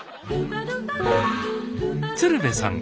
鶴瓶さん